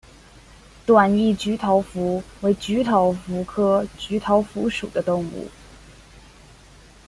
短翼菊头蝠为菊头蝠科菊头蝠属的动物。